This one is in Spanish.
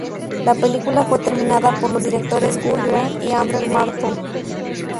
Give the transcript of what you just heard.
La película fue terminada por los directores Guy Green y Andrew Marton.